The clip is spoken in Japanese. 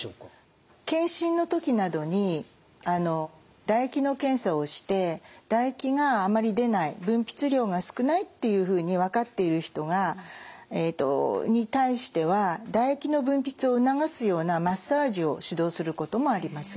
健診の時などに唾液の検査をして唾液があまり出ない分泌量が少ないっていうふうに分かっている人に対しては唾液の分泌を促すようなマッサージを指導することもあります。